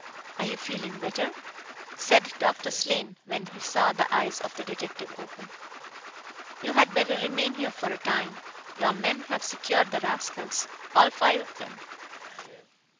"Are you feeling better?" said Doctor Slane, when he saw the eyes of the detective open. "You had better remain here for a time. Your men have secured the rascals all five of them."